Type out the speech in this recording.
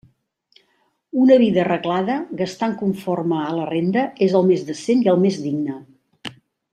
Una vida arreglada, gastant conforme a la renda, és el més decent i el més digne.